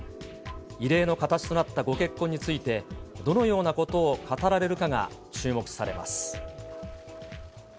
異例の形となったご結婚について、どのようなことを語られるかが注目されます。